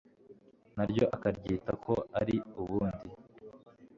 na ryo akaryita ko ari ubundi